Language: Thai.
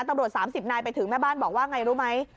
ตำรวจ๓๐นายไปถึงแม่บ้านบอกว่าไงรู้ไหม